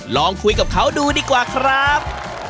ลองคุยกับเขาดูดีกว่าครับ